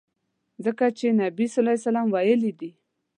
ځکه چي نبي ص ویلي دي.